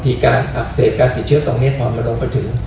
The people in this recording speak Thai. ตอนการอับเสพการติดเชื้อต้องเน็ตนอนมาลงไปถึง